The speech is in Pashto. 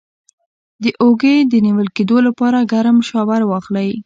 د اوږې د نیول کیدو لپاره ګرم شاور واخلئ